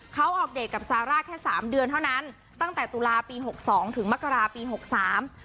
เขาออกเดทกับซาร่าแค่สามเดือนเท่านั้นตั้งแต่ตุลาปีหกสองถึงมกราปีหกสาม